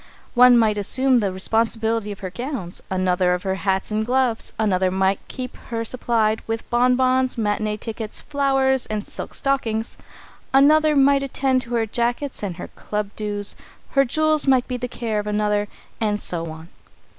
One might assume the responsibility of her gowns, another of her hats and gloves, another might keep her supplied with bonbons, matinée tickets, flowers, and silk stockings, another might attend to her jackets and her club dues, her jewels might be the care of another, and so on.